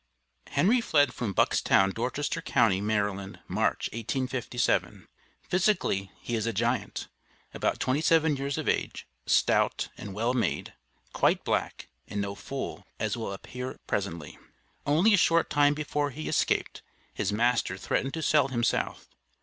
Henry fled from Buckstown, Dorchester Co., Md., March, 1857. Physically he is a giant. About 27 years of age, stout and well made, quite black, and no fool, as will appear presently. Only a short time before he escaped, his master threatened to sell him south.